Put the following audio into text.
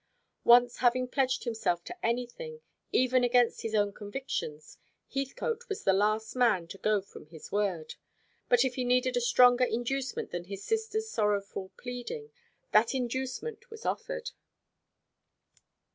Once having pledged himself to anything, even against his own convictions, Heathcote was the last man to go from his word; but if he needed a stronger inducement than his sister's sorrowful pleading, that inducement was offered.